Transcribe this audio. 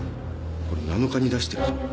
これ７日に出してるぞ。